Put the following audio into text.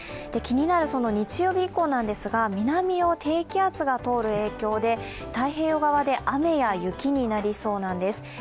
気になる日曜日以降なんですが南を低気圧が通る影響で太平洋側で雨や雪になりそうなんです。